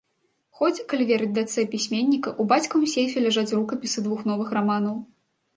Хоць, калі верыць дачцэ пісьменніка, у бацькавым сейфе ляжаць рукапісы двух новых раманаў.